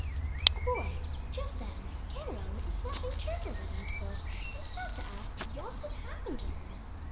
A boy just then came along with a snapping turtle that he had caught, and stopped to ask what had happened to her.